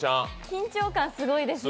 緊張感すごいですね。